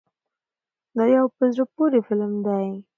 دا یو په زړه پورې فلم دی.